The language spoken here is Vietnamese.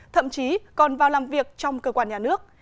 thậm chí còn vào làm việc trong cơ quan nhà nước